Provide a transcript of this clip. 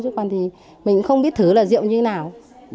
chứ còn mình không biết thử là rượu như thế nào